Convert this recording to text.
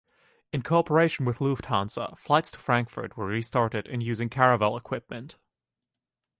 In cooperation with Lufthansa, flights to Frankfurt were restarted in using Caravelle equipment.